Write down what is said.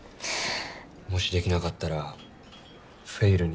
もしできなかったらフェイルに。